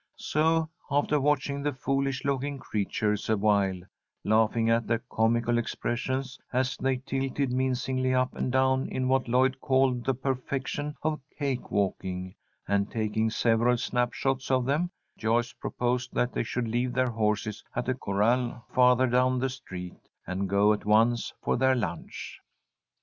So, after watching the foolish looking creatures awhile, laughing at their comical expressions as they tilted mincingly up and down in what Lloyd called the perfection of cake walking, and taking several snap shots of them, Joyce proposed that they should leave their horses at a corral farther down the street, and go at once for their lunch.